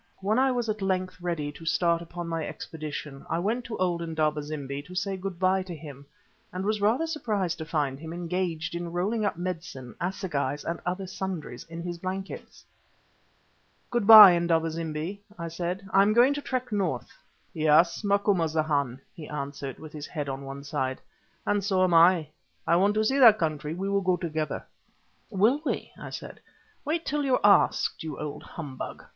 When I was at length ready to start upon my expedition, I went to old Indaba zimbi to say good bye to him, and was rather surprised to find him engaged in rolling up medicine, assegais, and other sundries in his blankets. "Good bye, Indaba zimbi," I said, "I am going to trek north." "Yes, Macumazahn," he answered, with his head on one side; "and so am I—I want to see that country. We will go together." "Will we!" I said; "wait till you are asked, you old humbug."